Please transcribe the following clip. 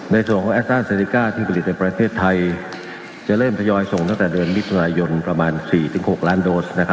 ไม่ใช่คลิปนี้ครับกรุณายลีลันไงเดี๋ยวประทวงกันอีก